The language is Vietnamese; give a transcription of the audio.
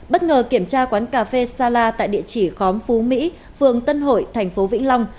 bất ngờ kiểm tra quán cà phê sala tại địa chỉ khóm phú mỹ phường tân hội thành phố vĩnh long